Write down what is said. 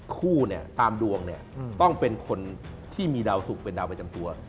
คู่เนี่ยตามดวงเนี่ยต้องเป็นคนที่มีดาวสุขเป็นดาวประจำตัว